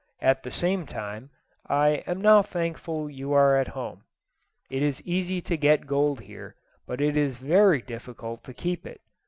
At the same time, I am now thankful you are at home. It is easy to get gold here, but it is very difficult to keep it.